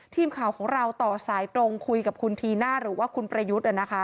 ทีมข่าวของเราต่อสายตรงคุยกับคุณทีน่าหรือว่าคุณประยุทธ์